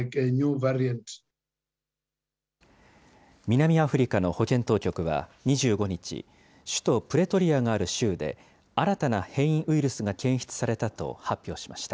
南アフリカの保健当局は２５日、首都プレトリアがある州で新たな変異ウイルスが検出されたと発表しました。